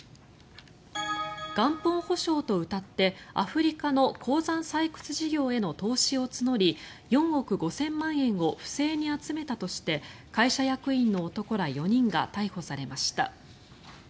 元本保証とうたってアフリカの鉱山採掘事業への投資を募り４億５０００万円を不正に集めたとして会社役員の男ら４人が逮捕されました。